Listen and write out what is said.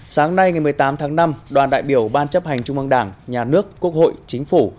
sáng nay ngày một mươi tám tháng năm đoàn đại biểu ban chấp hành trung mương đảng nhà nước quốc hội chính phủ